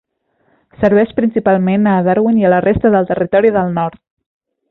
Serveix principalment a Darwin i a la resta del Territori del Nord.